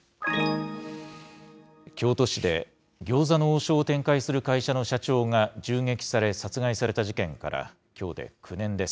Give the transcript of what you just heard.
京都市で、餃子の王将を展開する会社の社長が銃撃され殺害された事件から、きょうで９年です。